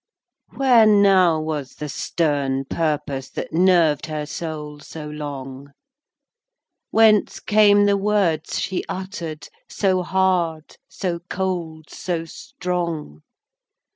Where now was the stern purpose That nerved her soul so long? Whence came the words she utter'd, So hard, so cold, so strong?